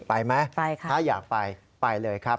ไปไหมถ้าอยากไปไปเลยครับ